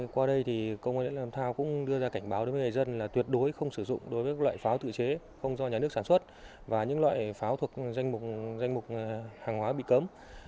qua đây thì công an lễ làm thao cũng đưa ra cảnh báo đối với người dân là tuyệt đối không sử dụng đối với loại pháo tự chế không do nhà nước sản xuất và những loại pháo thuộc danh mục hàng hóa bị cấm